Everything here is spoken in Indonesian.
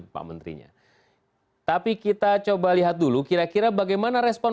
karena otak kamu hanya bisa menguruskan